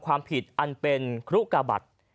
ความผิดอันเป็นครุกาบัตร